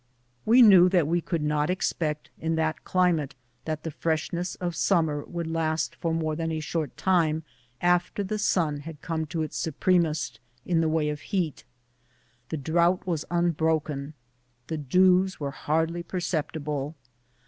We knew that we could not expect, in that climate, that the freshness of summer would last for more than a short time after the sun had come to its supremest in the way of heat. The drouth was unbroken ; the dews were hardly perceptible.